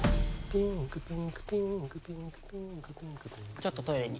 ちょっとトイレに。